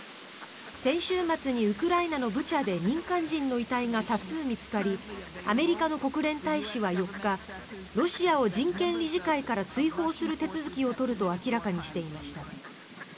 先週末にウクライナのブチャで民間人の遺体が多数見つかりアメリカの国連大使は４日ロシアを人権理事会から追放する手続きを取ると明らかにしていました。